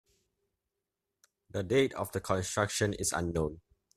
The date of its construction is unknown.